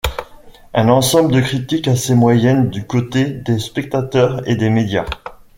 Un ensemble de critiques assez moyennes du côté des spectateurs et des médias.